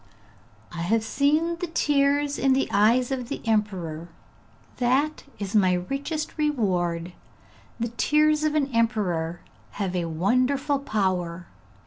'I have seen tears in the eyes of the emperor; that is my richest reward. The tears of an emperor have a wonderful power!